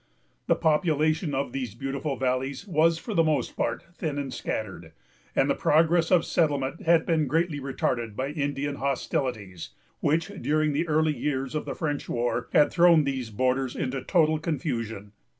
The population of these beautiful valleys was, for the most part, thin and scattered; and the progress of settlement had been greatly retarded by Indian hostilities, which, during the early years of the French war, had thrown these borders into total confusion.